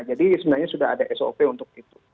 jadi sebenarnya sudah ada sop untuk itu